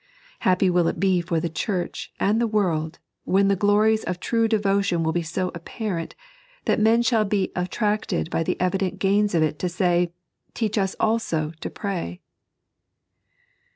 Happy will it be for the Church and the world, when the glories of true devotion will be so apparent, that men shall be attracted by the evident gains of it to say :" Teach us also to pray